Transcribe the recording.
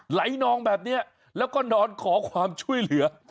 ไหลนองแบบนี้แล้วก็นอนขอความช่วยเหลือ